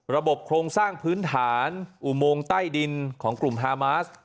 โครงสร้างพื้นฐานอุโมงใต้ดินของกลุ่มฮามาส